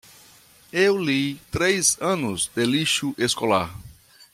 Eu li três anos de lixo escolar.